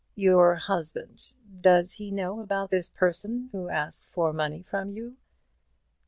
"Your husband does he know about this person who asks for money from you?"